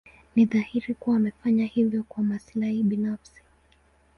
Ni dhahiri kuwa amefanya hivyo kwa maslahi binafsi.